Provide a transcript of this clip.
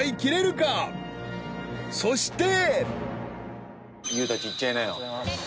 ［そして！］